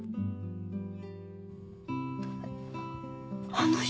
あの人？